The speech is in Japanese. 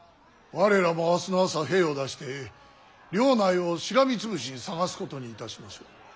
我らも明日の朝兵を出して領内をしらみつぶしに捜すことにいたしましょう。